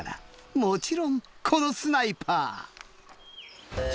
もちろんこのスナイパー。